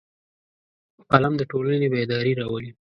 قلم د ټولنې بیداري راولي